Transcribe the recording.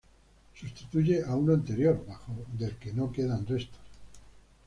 Sustituye a uno anterior, bajo, del que no quedan restos.